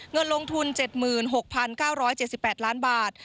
เงินลงทุน๗๖๙๗๘ล้านบาท